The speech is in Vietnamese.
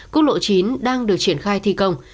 quốc lộ chín đang được triển khai thi công